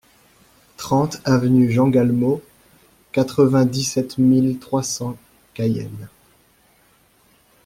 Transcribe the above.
trente avenue Jean Galmot, quatre-vingt-dix-sept mille trois cents Cayenne